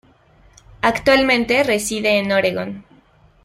Actualmente reside en Oregón.